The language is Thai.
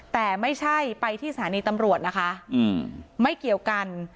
แต่ไม่ใช่ไปที่สถานีตำรวจนะคะไม่เกี่ยวกัน